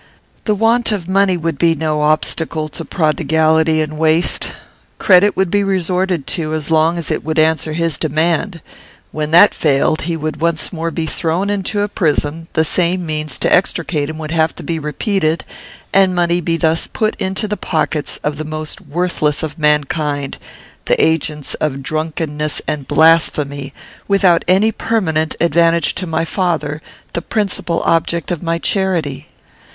The want of money would be no obstacle to prodigality and waste. Credit would be resorted to as long as it would answer his demand. When that failed, he would once more be thrown into a prison; the same means to extricate him would have to be repeated, and money be thus put into the pockets of the most worthless of mankind, the agents of drunkenness and blasphemy, without any permanent advantage to my father, the principal object of my charity.